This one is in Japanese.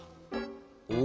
お！